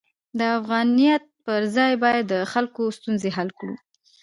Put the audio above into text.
د افغانیت پر ځای باید د خلکو ستونزې حل کړو.